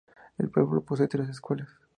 El pueblo posee tres escuelas.